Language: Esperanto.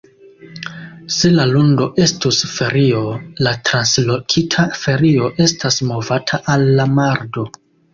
Se la lundo estus ferio, la translokita ferio estas movata al la mardo.